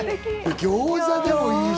餃子でもいいし。